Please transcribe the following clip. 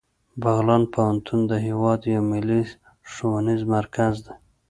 بغلان پوهنتون د هیواد یو ملي ښوونیز مرکز دی